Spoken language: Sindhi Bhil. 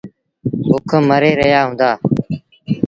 بُک مري رهيآ هُݩدآ۔